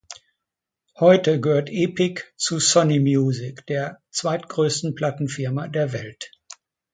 Heute gehört Epic zu Sony Music, der zweitgrößten Plattenfirma der Welt.